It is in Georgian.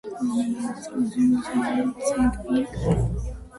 ადმინისტრაციული ცენტრია ქალაქი ოზურგეთი.